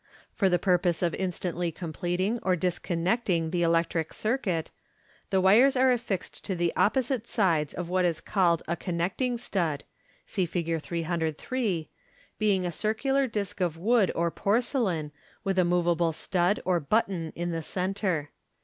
For the pur pose of instantly completing or discon necting the electric circuit, the wires are Fig. 303. affixed to the opposite sides of what is called a connecting stud {see Fig. 303), being a circular disc of wood or porcelain, with a moveable stud or button in the centre.